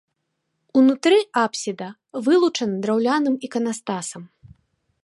Унутры апсіда вылучана драўляным іканастасам.